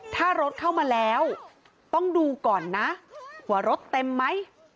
ถ้ารถเข้ามาแล้วต้องดูก่อนนะว่ารถเต็มไหม